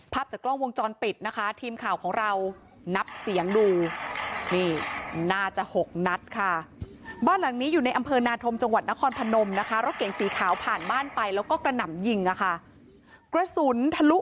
จากกล้องวงจรปิดนะคะทีมข่าวของเรานับเสียงดูนี่น่าจะ๖นัดค่ะบ้านหลังนี้อยู่ในอำเภอนาธมจังหวัดนครพนมนะคะรถเก่งสีขาวผ่านบ้านไปแล้วก็กระหน่ำยิงอ่ะค่ะกระสุนทะลุ